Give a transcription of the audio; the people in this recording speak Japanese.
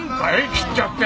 切っちゃって。